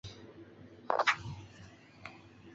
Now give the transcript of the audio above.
该站在建设阶段曾称北土城东路站。